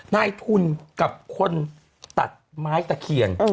นายทุนกับคนตัดไม้ตะเคียน